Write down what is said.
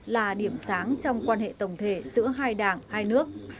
là điểm sáng trong quan hệ tổng thể giữa hai đảng hai nước